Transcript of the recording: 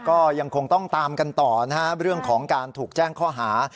ก็ยังคงต้องตามกันต่อนะครับเรื่องของการถูกแจ้งข้อหา